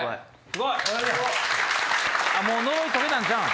もう呪い解けたんちゃう？